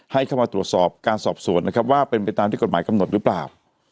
ให้เข้ามาตรวจสอบการสอบสวนนะครับว่าเป็นไปตามที่กฎหมายกำหนดหรือเปล่า